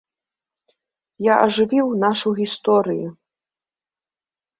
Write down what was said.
Я ажывіў нашу гісторыю.